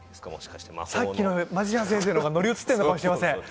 さっきのマジシャン先生が乗り移ってるのかもしれません。